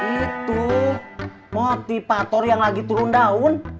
itu motivator yang lagi turun daun